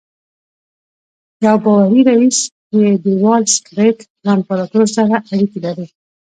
یو باوري ريیس یې د وال سټریټ له امپراتور سره اړیکې لري